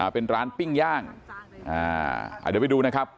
เป็นร้านปิ้งย่างเดี๋ยวไปดูนะครับ